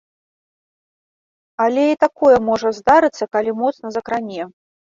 Але і такое можа здарыцца, калі моцна закране.